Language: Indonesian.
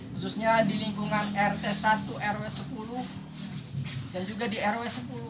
khususnya di lingkungan rt satu rw sepuluh